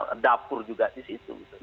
ada dapur juga di situ